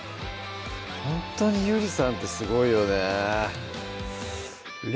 ほんとにゆりさんってすごいよね